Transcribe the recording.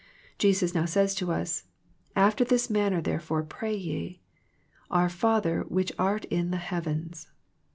Jesus now says to us, " After this man ner therefore pray ye ; Our Father which art in the heavens."